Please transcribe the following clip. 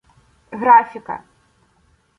Графіка